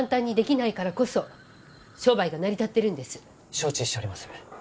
承知しております。